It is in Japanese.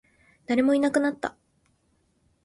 誰もいなくなった